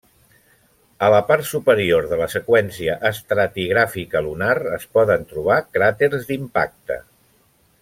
A la part superior de la seqüència estratigràfica lunar es poden trobar cràters d'impacte.